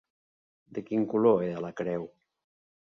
De quin color era la creu?